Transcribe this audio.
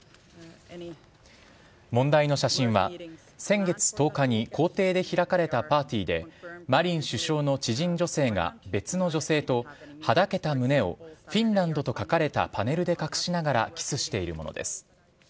問題の写真は先月１０日に公邸で開かれたパーティーでマリン首相の知人女性が別の女性とはだけた胸をフィンランドと書かれたパネルで隠しながらキスしているものです。